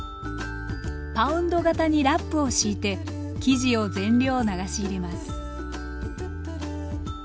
パウンド型にラップを敷いて生地を全量流し入れます